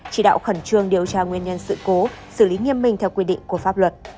chỉ đạo khẩn trương điều tra nguyên nhân sự cố xử lý nghiêm minh theo quy định của pháp luật